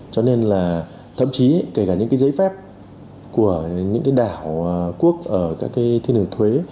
cho nên là thậm chí kể cả những cái giấy phép của những cái đảo quốc ở các cái thiên đường thuế